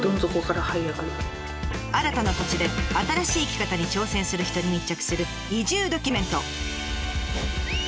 新たな土地で新しい生き方に挑戦する人に密着する移住ドキュメント。